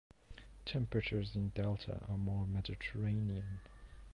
Temperatures in the Delta are more Mediterranean.